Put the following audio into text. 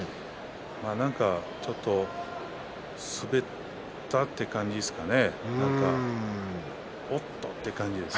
なんかちょっと滑ったという感じですかね。